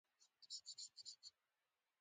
فرشته سپوږمۍ